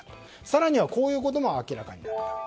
更にはこういうことも明らかになりました。